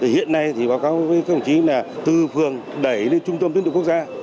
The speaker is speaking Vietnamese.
hiện nay thì báo cáo với công chí là từ phường đẩy lên trung tâm tuyên tục quốc gia